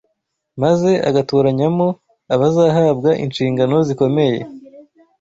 maze agatoranyamo abazahabwa inshingano zikomeye?